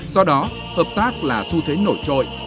do đó hợp tác là su thế nổi trội